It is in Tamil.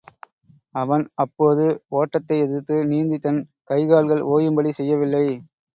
அவன் அப்போது ஓட்டத்தை எதிர்த்து நீந்தித் தன் கைகால்கள் ஒயும்படி செய்யவில்லை.